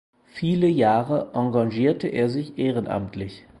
Viele Jahre engagierte er sich ehrenamtlich.